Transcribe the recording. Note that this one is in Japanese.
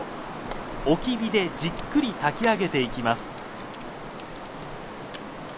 おき火でじっくり炊き上げていきます。